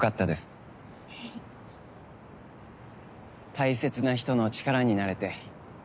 大切な人の力になれて。